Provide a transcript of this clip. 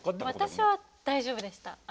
私は大丈夫でした。